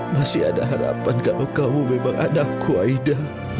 masih ada harapan kalau kamu memang anakku aida